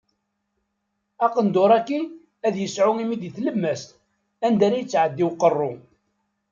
Aqendur-agi ad isɛu imi di tlemmast, anda ara yettɛeddi uqerru.